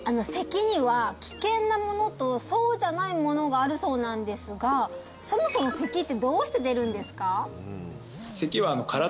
咳には危険なものとそうじゃないものがあるそうなんですがそもそも咳ってどうして出るんですか？